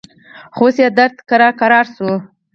خو اوس يې درد کرار سوى و.